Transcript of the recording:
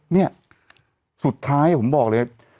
เนี่ยสุดท้ายผมบอกเลย